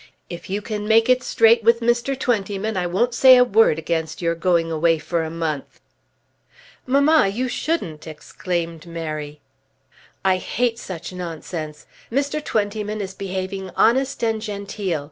"If you can make it straight with Mr. Twentyman I won't say a word against your going away for a month." "Mamma, you shouldn't!" exclaimed Mary. "I hate such nonsense. Mr. Twentyman is behaving honest and genteel.